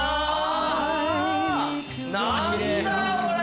何だよこれ！